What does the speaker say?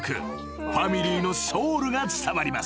［ファミリーのソウルが伝わります］